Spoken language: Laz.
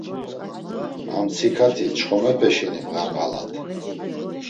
Amtsikati çxomepe şeni bğarğalat.